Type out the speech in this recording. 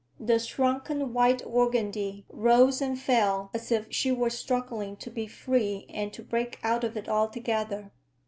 The shrunken white organdie rose and fell as if she were struggling to be free and to break out of it altogether.